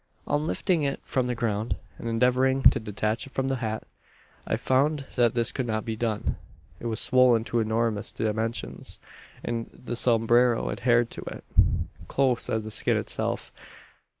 "On lifting it from the ground, and endeavouring to detach it from the hat, I found that this could not be done. It was swollen to enormous dimensions; and the sombrero adhered to it close as the skin itself.